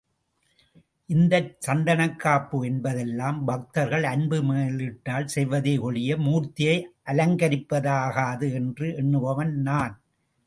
இந்தச் சந்தனக்காப்பு என்பதெல்லாம் பக்தர்கள் அன்பு மேலீட்டால் செய்வதே ஒழிய மூர்த்தியை அலங்கரிப்பதாகாது என்று எண்ணுபவன் நான்.